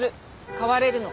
変われるの。